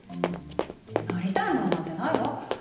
なりたいものなんてないわ。